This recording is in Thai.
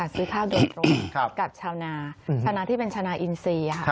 ซื้อข้าวโดยตรงกับชาวนาชาวนาที่เป็นชาวนาอินซี